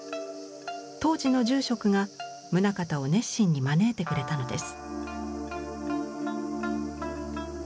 当時の住職が棟方を熱心に招いてくれたのです。